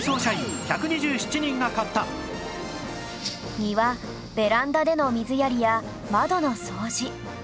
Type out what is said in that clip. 庭ベランダでの水やりや窓の掃除